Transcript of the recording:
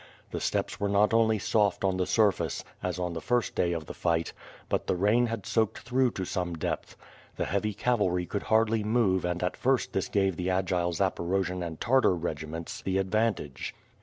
The steppes were not only soft on the surface, as on the first day of the fight, but the rain had soaked through to some depth. The heavy cavalry could hardly move and at first this gave the agile Zaporojian and Tartar regiments the advantage.